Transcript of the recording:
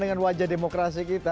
dengan wajah demokrasi kita